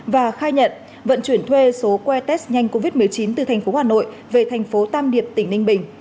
và khai nhận vận chuyển thuê số que test nhanh covid một mươi chín từ tp hà nội về tp tan điệp tỉnh ninh bình